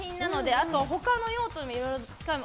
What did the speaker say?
あとは他の用途にいろいろ使える。